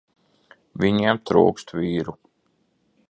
Viņiem trūkst vīru.